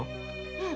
うん。